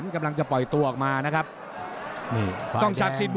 กำลังจะปล่อยตัวออกมานะครับ